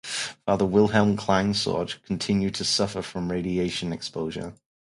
Father Wilhelm Kleinsorge continued to suffer from radiation exposure.